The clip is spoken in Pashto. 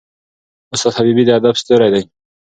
استاد حبیبي د ادب ستوری دی.